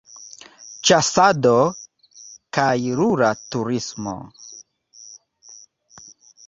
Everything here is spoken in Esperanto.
Ĉasado kaj rura turismo.